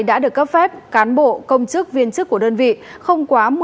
đã được cấp phép cán bộ công chức viên chức của đơn vị không quá một mươi